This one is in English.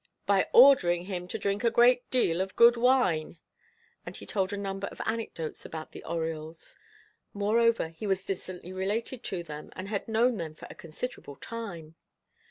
"By ordering him to drink a great deal of good wine." And he told a number of anecdotes about the Oriols. Moreover, he was distantly related to them, and had known them for a considerable time.